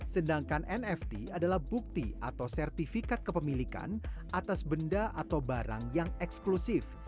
sedangkan nft adalah bukti atau sertifikat kepemilikan atas benda atau barang yang eksklusif